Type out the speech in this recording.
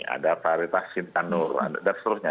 ada varitas sintanur dan seterusnya